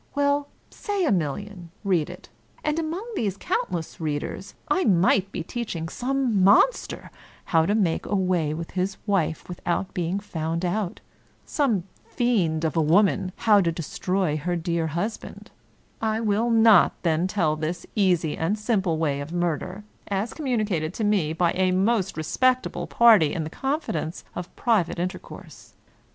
— well, say a million, read it. And among these countless readers, I might be teaching some monster how to make away with his wife without being found out, some fiend of a woman » The Cornhill. — Editor. 2l6 William Makepeace Thackeray how to destroy her dear husband. I will not then tell this easy and simple way of murder, as communicated to me by a most respectable party in the confidence of private in tercourse.